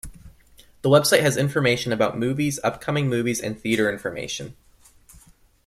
The website has information about movies, upcoming movies, and theater information.